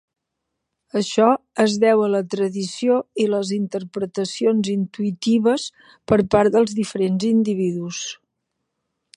Això es deu a la tradició i les interpretacions intuïtives per part dels diferents individus.